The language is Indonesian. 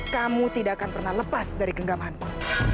kamu tidak akan pernah lepas dari genggamanku